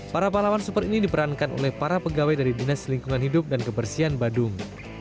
para pahlawan super ini diperankan oleh para pegawai dari dinas lingkungan hidup dan kebersihan badung